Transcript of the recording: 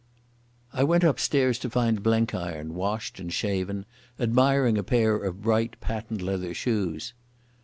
I went upstairs to find Blenkiron, washed and shaven, admiring a pair of bright patent leather shoes.